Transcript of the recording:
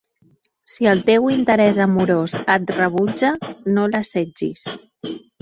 Si el teu interès amorós et rebutja, no l'assetgis.